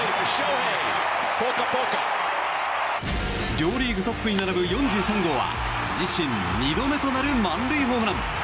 両リーグトップに並ぶ４３号は自身２度目となる満塁ホームラン。